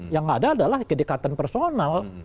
yang ada adalah kedekatan personal